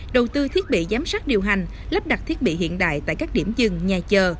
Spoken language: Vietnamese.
đầu tư thiết bị giám sát điều hành lắp đặt thiết bị hiện đại tại các điểm dừng nhà chờ